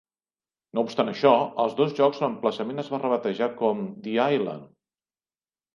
No obstant això, als dos jocs l"emplaçament es va rebatejar com "The Island".